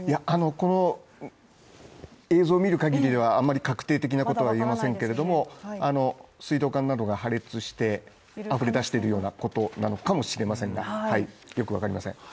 この映像を見るかぎりではあまり確定的なことは言えませんけれども水道管などが破裂してあふれ出しているようなことなのかもしれませんが、よく分かりません。